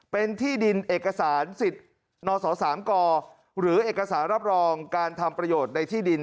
เป็นที่ดินเอกสารสิทธิ์นศ๓กหรือเอกสารรับรองการทำประโยชน์ในที่ดิน